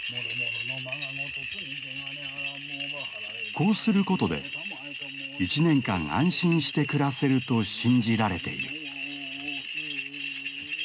こうすることで１年間安心して暮らせると信じられている。